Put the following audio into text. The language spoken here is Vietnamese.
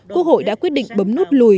quốc hội đã quyết định bấm nút lùi